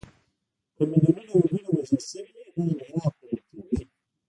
که میلیونونه وګړي وژل شوي وي، دا انحراف ګڼل کېده.